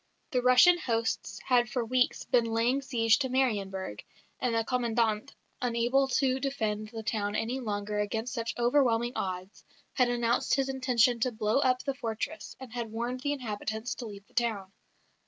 The Russian hosts had for weeks been laying siege to Marienburg; and the Commandant, unable to defend the town any longer against such overwhelming odds, had announced his intention to blow up the fortress, and had warned the inhabitants to leave the town.